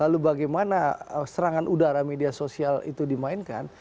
lalu bagaimana serangan udara media sosial itu dimainkan